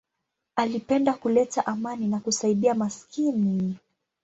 Alipenda kuleta amani na kusaidia maskini.